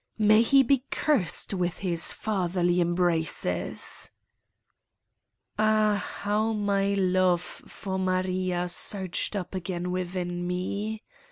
May he be cursed with his fatherly embraces ! Ah, how my love for Maria surged up again within me